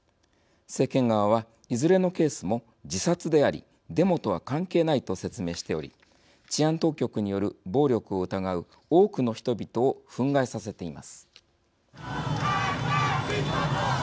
政権側は、いずれのケースも自殺でありデモとは関係ないと説明しており治安当局による暴力を疑う多くの人々を憤慨させています。